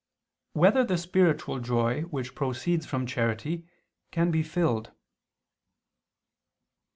3] Whether the Spiritual Joy Which Proceeds from Charity, Can Be Filled?